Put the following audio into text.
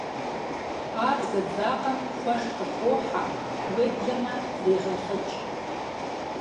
Ар зэдзэкъам хуэш къыхохьэ, уеблэмэ трегъэлIыкI.